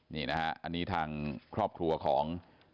นี่นะฮะอันนี้ทางครอบครัวของ